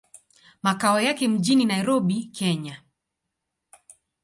Makao yake mjini Nairobi, Kenya.